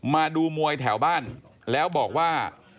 มาดูมวยแถวบ้านแล้วบอกว่า